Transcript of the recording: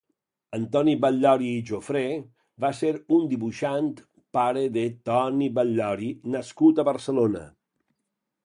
Antoni Batllori i Jofré va ser un dibuixant, pare de Toni Batllori nascut a Barcelona.